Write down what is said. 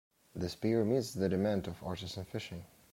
This pier meets the demand of artisan fishing.